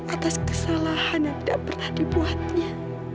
atas kesalahan yang tidak pernah dibuatnya